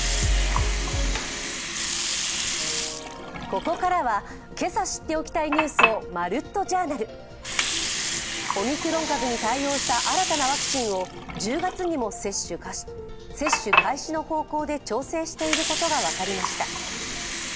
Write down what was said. ここからは今朝知っておきたいニュースを「まるっとＪｏｕｒｎａｌ」、オミクロン株に対応した新たなワクチンを１０月にも接種開始の方向で調整していることが分かりました。